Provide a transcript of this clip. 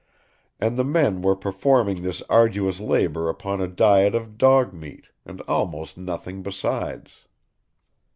And the men were performing this arduous labor upon a diet of dog meat, and almost nothing besides.